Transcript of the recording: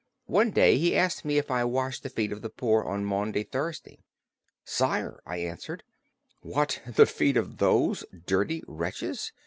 One day he asked me if I washed the feet of the poor on Maundy Thursday. "Sire," I answered, "What, the feet of those dirty wretches!